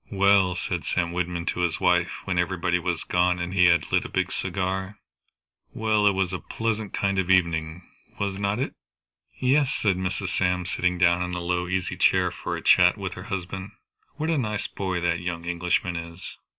"Well," said Sam Wyndham to his wife when everybody was gone, and he had lit a big cigar; "well, it was a pleasant kind of an evening, was not it?" "Yes," said Mrs. Sam, sitting down in a low easy chair for a chat with her husband. "What a nice boy that young Englishman is."